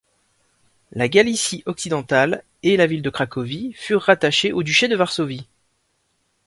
La Galicie occidentale et la ville de Cracovie furent rattachées au duché de Varsovie.